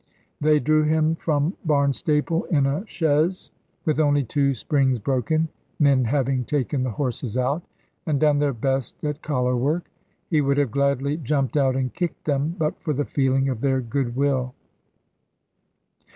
They drew him from Barnstaple in a chaise, with only two springs broken, men having taken the horses out, and done their best at collar work. He would have gladly jumped out and kicked them, but for the feeling of their goodwill.